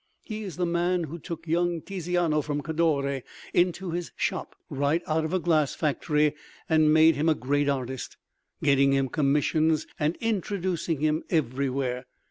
He is the man who took young Tiziano from Cadore into his shop, right out of a glass factory, and made him a great artist, getting him commissions and introducing him everywhere!